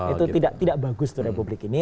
itu tidak bagus tuh republik ini